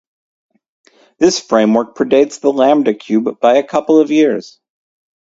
This framework predates the lambda cube by a couple of years.